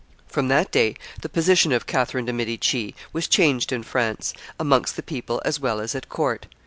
From that day the position of Catherine de' Medici was changed in France, amongst the people as well as at court.